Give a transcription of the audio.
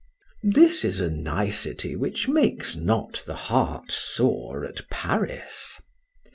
This is a nicety which makes not the heart sore at Paris.